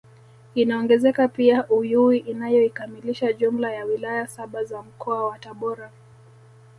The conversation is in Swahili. Inaongezeka pia Uyui inayoikamilisha jumla ya wilaya saba za Mkoa wa Tabora